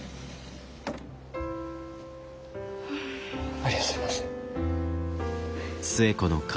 ありがとうございます。